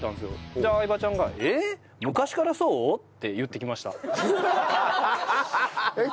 で相葉ちゃんが「え昔からそう？」って言ってきました。